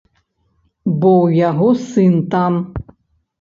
Бо ў яго сын там.